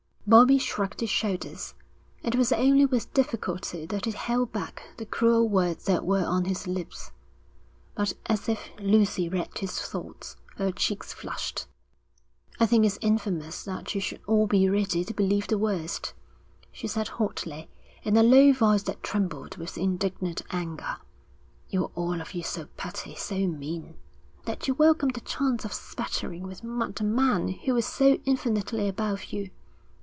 Bobbie shrugged his shoulders. It was only with difficulty that he held back the cruel words that were on his lips. But as if Lucy read his thoughts, her cheeks flushed. 'I think it's infamous that you should all be ready to believe the worst,' she said hotly, in a low voice that trembled with indignant anger. 'You're all of you so petty, so mean, that you welcome the chance of spattering with mud a man who is so infinitely above you.